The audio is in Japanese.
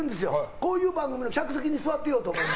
こういう番組の客席に座ってようと。